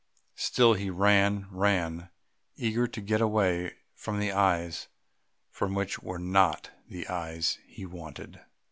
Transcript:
Still he ran, ran, eager to get away from the eyes which were not the eyes he wanted.